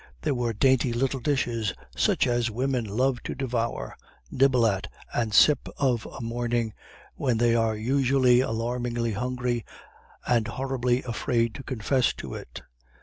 There were dainty little dishes such as women love to devour, nibble at, and sip of a morning, when they are usually alarmingly hungry and horribly afraid to confess to it.